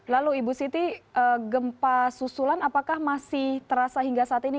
lalu ibu siti gempa susulan apakah masih terasa hingga saat ini